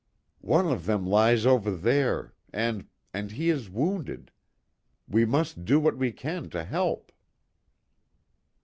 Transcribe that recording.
"One of them lies over there, and and he is wounded. We must do what we can to help."